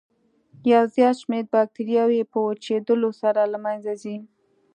یو زیات شمېر باکتریاوې په وچېدلو سره له منځه ځي.